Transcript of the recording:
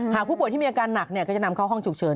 ผู้ป่วยที่มีอาการหนักก็จะนำเข้าห้องฉุกเฉิน